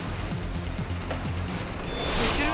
いける？